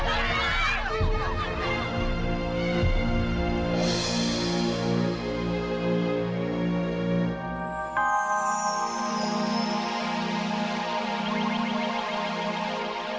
jangan jangan jangan